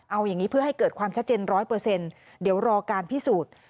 เอาอย่างนี้เพื่อให้เกิดความชัดเจนร้อยเปอร์เซ็นต์เดี๋ยวรอการพิสูจน์